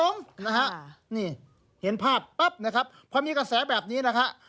นี่เห็นภาพปั๊บนะครับพอมีกระแสแบบนี้นะฮะ